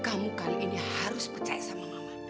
kamu kan ini harus percaya sama mama